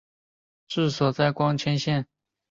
治所在光迁县。